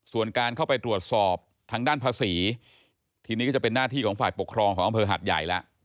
ส่วนการเข้าไปตรวจสอบทางด้านภาษีทีนี้ก็จะเป็นหน้าที่ของฝ่ายปกครองของอำเภอหัดใหญ่แล้ว